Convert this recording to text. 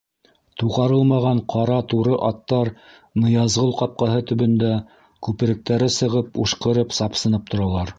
Туғарылмаған ҡара туры аттар Ныязғол ҡапҡаһы төбөндә күперектәре сығып ушҡырып, сапсынып торалар.